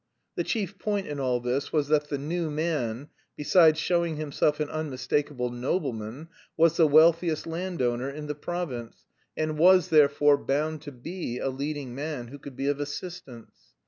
The chief point in all this was that the "new man," besides showing himself an unmistakable nobleman, was the wealthiest landowner in the province, and was, therefore, bound to be a leading man who could be of assistance.